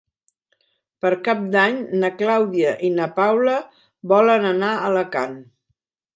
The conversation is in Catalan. Per Cap d'Any na Clàudia i na Paula volen anar a Alacant.